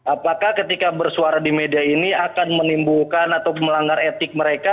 apakah ketika bersuara di media ini akan menimbulkan atau melanggar etik mereka